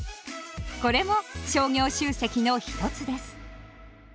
これも商業集積の一つです。